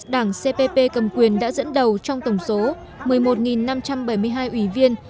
đảng cpp cầm quyền đã dẫn đầu trong tổng số một mươi một năm trăm bảy mươi hai ủy viên